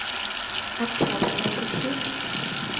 আচ্ছা, বলো দেখি।